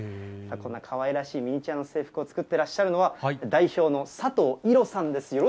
こんなかわいらしいミニチュアの制服を作ってらっしゃるのは、代表の佐藤色さんです。